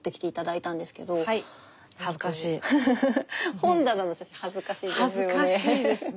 本棚の写真恥ずかしいですよね。